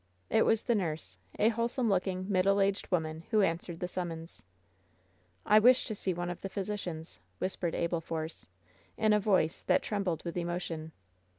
It was the nurse, a wholesome looking, middle aged woman, who answered the summons. "I wish to see one of the physicians," whispered Abel Force, in a voice that trembled with emotion.